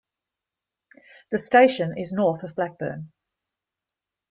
The station is north of Blackburn.